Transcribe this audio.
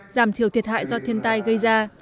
giảm thiểu thiệt hại do thiên tai gây ra